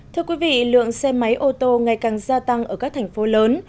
thưa quý vị lượng xe máy ô tô ngày càng gia tăng ở các thành phố lớn